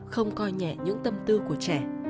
không coi nhẹ những tâm tư của trẻ